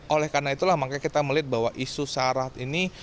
oleh karena itulah makanya kita melihat bahwa isu syarat ini